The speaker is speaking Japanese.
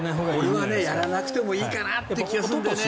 俺はやらなくてもいいかなって気はするんだよね。